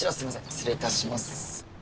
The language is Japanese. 失礼いたします。